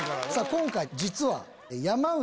今回実は。